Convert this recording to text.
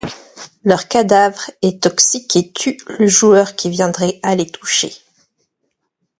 Leur cadavre est toxique et tue le joueur qui viendrait à les toucher.